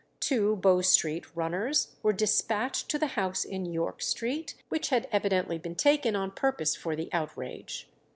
Two Bow Street runners were despatched to the house in York Street, which had evidently been taken on purpose for the outrage.